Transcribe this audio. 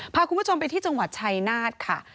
พาคุณผู้ชมไปที่จังหวัดชัยนาธค่ะ